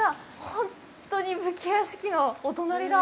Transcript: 本当に武家屋敷のお隣だ。